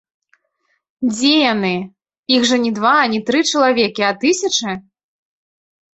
Дзе яны, іх жа не два, не тры чалавекі, а тысячы?